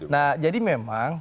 nah jadi memang